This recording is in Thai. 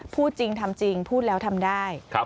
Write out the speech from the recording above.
พูดจริงทำจริงพูดแล้วทำได้